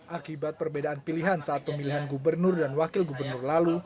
akibat perbedaan pilihan saat pemilihan gubernur dan wakil gubernur lalu